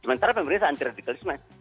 sementara pemerintah anti radikalisme